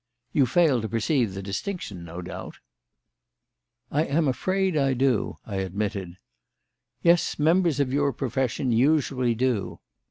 You fail to perceive the distinction, no doubt?" "I am afraid I do," I admitted. "Yes; members of your profession usually do.